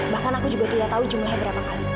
bahkan aku juga tidak tahu jumlahnya berapa kali